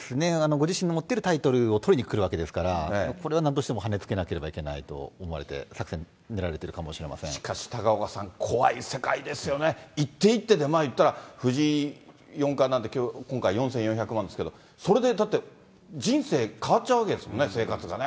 ご自身の持ってるタイトルを取りに来るわけですから、これはなんとしてもはねつけないとと思われて、作戦、練られてるしかし、高岡さん、怖い世界ですよね、一手一手で、言ったら、藤井四冠なんて、今回、４４００万ですけど、それで人生、変わっちゃうわけですもんね、生活がね。